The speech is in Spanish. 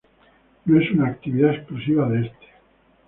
No es una actividad exclusiva de este.